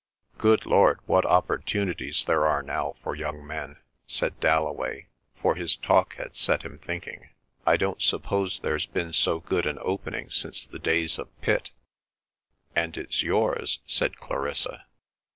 "Good Lord, what opportunities there are now for young men!" said Dalloway, for his talk had set him thinking. "I don't suppose there's been so good an opening since the days of Pitt." "And it's yours!" said Clarissa.